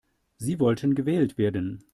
Sie wollten gewählt werden.